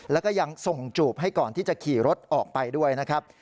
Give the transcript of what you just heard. แล้วก็ยังส่งจูบให้ก่อนที่จะขี่รถออกไปด้วยนะครับ